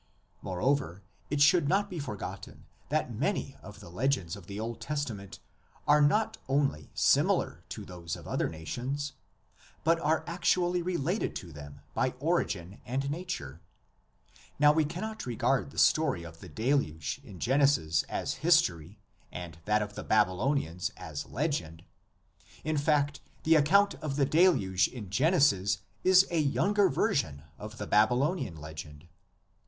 Moreover, it should not be forgotten that many of the legends of the Old Testament are not only similar to those of other nations, but are actually related to them by origin and nature. Now we can not regard the story of the Deluge in Genesis as history and that of the Babylonians as legend; in fact, the account of the Deluge in Genesis is a younger version of the Babylonian legend.